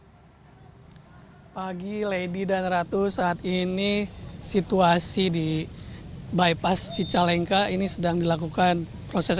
hai pagi lady dan ratu saat ini situasi di bypass cicalengka ini sedang dilakukan proses